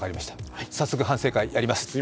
早速、反省会やります。